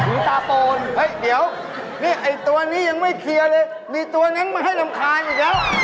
ผีตาป่นเดี๋ยวตัวนี้ยังไม่เคลียร์เลยมีตัวนั้นมาให้ลำคาญอีกแล้ว